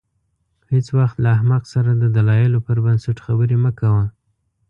هېڅ وخت له احمق سره د دلایلو پر بنسټ خبرې مه کوه.